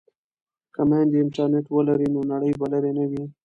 که میندې انټرنیټ ولري نو نړۍ به لرې نه وي.